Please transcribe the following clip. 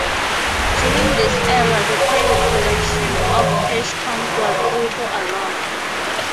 During this era the private production of cash coins was also allowed.